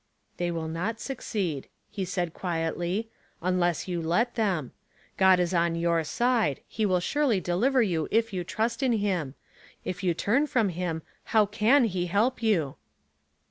"'' They will not succeed," he said, quietly, " un less you let them. God is on your side, he will surely deliver you if you trust in him ; if you turn from him how can he help you